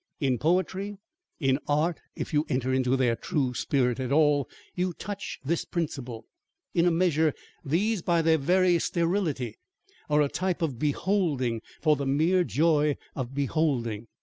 In poetry, in art, if you enter into their true spirit at all; you touch this principle, in a measure: these, by their very sterility, are a type of beholding for the mere joy of beholding.